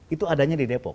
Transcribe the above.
itu adanya di depok